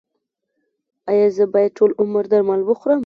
ایا زه باید ټول عمر درمل وخورم؟